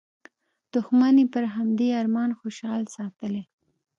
دوښمن یې پر همدې ارمان خوشحال ساتلی.